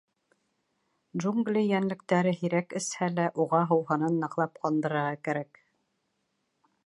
Джунгли йәнлектәре һирәк эсһә лә, уға һыуһынын ныҡлап ҡандырырға кәрәк.